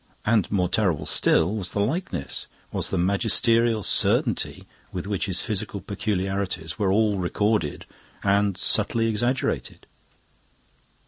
And, more terrible still, was the likeness, was the magisterial certainty with which his physical peculiarities were all recorded and subtly exaggerated.